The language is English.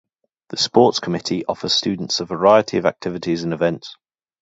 The Sports Committee offers students a variety of activities and events.